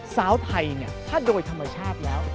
สาวไทยเนี่ยถ้าโดยธรรมชาติแล้ว